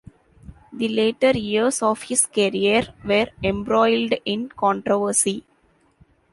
The later years of his career were embroiled in controversy.